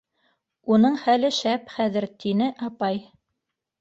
- Уның хәле шәп хәҙер, - тине апай.